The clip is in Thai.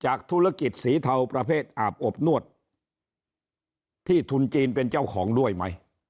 ธุรกิจสีเทาประเภทอาบอบนวดที่ทุนจีนเป็นเจ้าของด้วยไหม